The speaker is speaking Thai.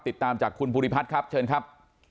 ติดตามจากคุณภูริพัฒน์ครับเชิญครับ